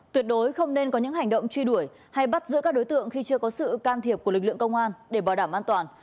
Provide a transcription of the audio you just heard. tuyệt đối không nên có những hành động truy đuổi hay bắt giữ các đối tượng khi chưa có sự can thiệp của lực lượng công an để bảo đảm an toàn